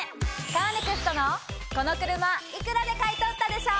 カーネクストのこの車幾らで買い取ったでしょ！